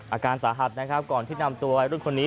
อาการสาหัสนะครับก่อนที่นำตัววัยรุ่นคนนี้